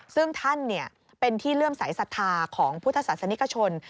ซึ่งท่านเป็นที่เลื่อมสายศรัทธาของพุทธศาสนิกชน